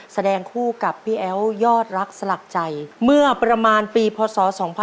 แสดงคู่กับพี่แอ๋วยอดรักสลักใจเมื่อประมาณปีพศ๒๕๖๒